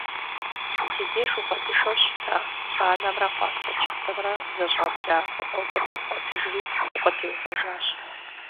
Си деж укъэзышэу щыта, банэмрэ къуацэ-чыцэмрэ зэщӀабла гъуэгур къэбгъуэтыжри, укъытеувэжащ.